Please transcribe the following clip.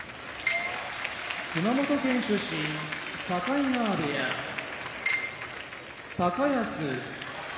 熊本県出身境川部屋高安